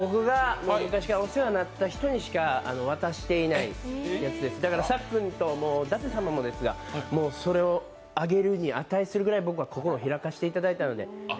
これは僕が昔からお世話になった人しか渡していないだからさっくんと舘様もですが、もうそれをあげるに値するぐらい僕は心、開かせていただいたので。